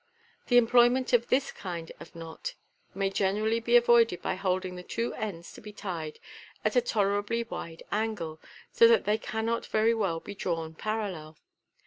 The employment of this kind of knot may generally be avoided by holding the two ends to be tied at a tolerably wide angle, so that they cannot very well be drawn parallel.